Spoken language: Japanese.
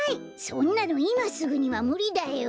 そんなのいますぐにはむりだよ。